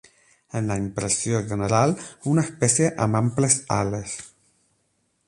En la impressió general, una espècie amb amples ales.